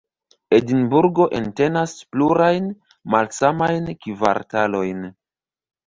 Edinburgo entenas plurajn, malsamajn kvartalojn.